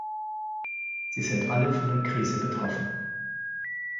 Sie sind alle von der Krise betroffen.